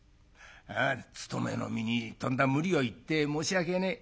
つとめの身にとんだ無理を言って申し訳ねえ。